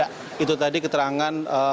ya itu tadi keterangan